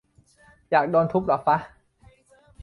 อยากโดนทุบเหรอฟะ